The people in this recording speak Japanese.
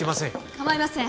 構いません